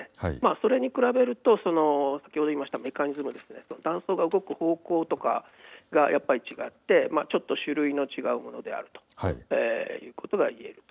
それに比べると先ほど言いましたメカニズムですね、断層が動く方向とかが、やっぱり違ってちょっと種類の違うものであるということが言えると。